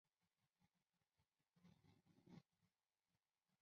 科尼河畔丰特奈人口变化图示